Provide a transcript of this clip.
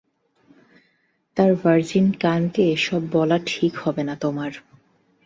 তার ভার্জিন কান কে এসব বলা ঠিক হবে না তোমার।